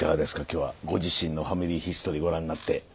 今日はご自身の「ファミリーヒストリー」ご覧になって。